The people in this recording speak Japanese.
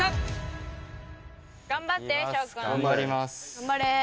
頑張れ。